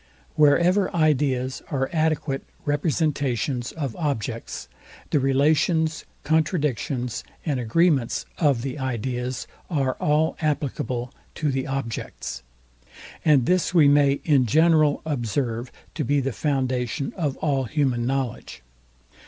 Wherever ideas are adequate representations of objects, the relations, contradictions and agreements of the ideas are all applicable to the objects; and this we may in general observe to be the foundation of all human knowledge.